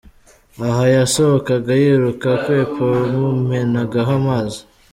Aha yasohokaga yiruka akwepa abamumenagaho amazi.